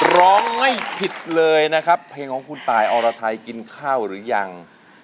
ร้องไม่ผิดเลยนะครับเพลงของคุณตายอรไทยกินข้าวหรือยัง